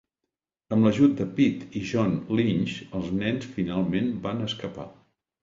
Amb l'ajut de Pitt i John Lynch, els nens finalment van escapar.